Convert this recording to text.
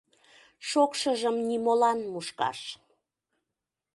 — Шокшыжым нимолан мушкаш.